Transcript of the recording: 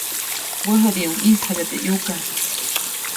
Wäjädiʼuŋ ʼyisjabya teʼ ʼyuka.